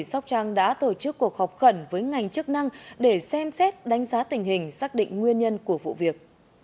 sóc trăng đã tổ chức cuộc họp khẩn với ngành chức năng để xem xét đánh giá tình hình xác định nguyên nhân của vụ việc